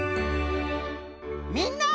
みんな！